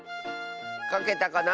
かけたかな？